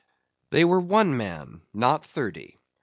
They were one man, not thirty.